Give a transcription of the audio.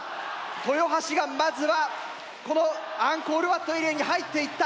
豊橋がまずはこのアンコールワットエリアに入っていった。